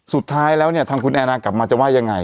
สุดท้ายแล้วเนี่ยทางคุณแอนนากลับมาจะว่ายังไง